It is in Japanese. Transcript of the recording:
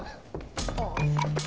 ああ。